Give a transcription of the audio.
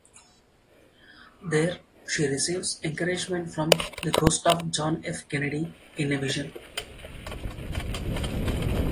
There, she receives encouragement from the ghost of John F. Kennedy in a vision.